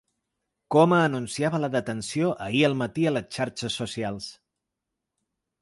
Coma anunciava la detenció ahir al matí a les xarxes socials.